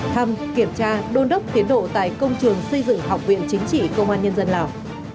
thăm kiểm tra đôn đốc tiến độ tại công trường xây dựng học viện chính trị công an nhân dân lào